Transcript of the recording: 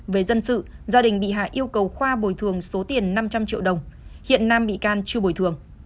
về dân sự gia đình bị hại yêu cầu khoa bồi thường số tiền năm trăm linh triệu đồng hiện nam bị can chưa bồi thường